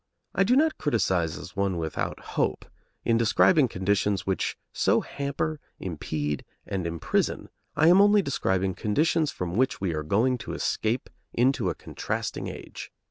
I do not criticise as one without hope; in describing conditions which so hamper, impede, and imprison, I am only describing conditions from which we are going to escape into a contrasting age.